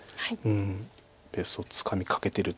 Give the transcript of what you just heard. うん。